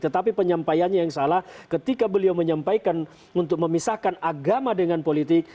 tetapi penyampaiannya yang salah ketika beliau menyampaikan untuk memisahkan agama dengan politik